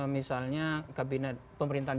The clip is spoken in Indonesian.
misalnya kabinet pemerintahan